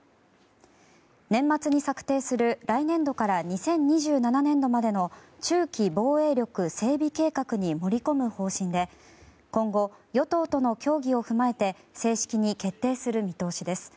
年末に策定する来年度から２０２７年度までの中期防衛力整備計画に盛り込む方針で今後、与党との協議を踏まえて正式に決定する見通しです。